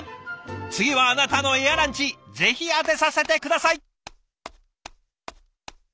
次はあなたのエアランチぜひ当てさせて下さい。